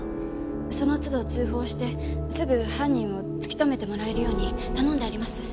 その都度通報してすぐ犯人を突き止めてもらえるように頼んであります。